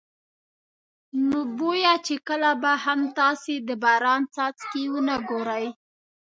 نو بویه چې کله به هم تاسې د باران څاڅکي ونه ګورئ.